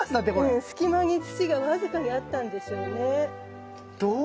うん隙間に土が僅かにあったんでしょうね。